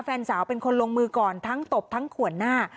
แฟนสาวเป็นคนลงมือก่อนทั้งตบทั้งขวนหน้า